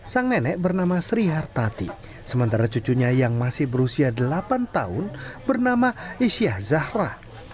sang nenek bernama sri hartati sementara cucunya yang masih berusia delapan tahun bernama isyah zahra